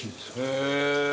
へえ！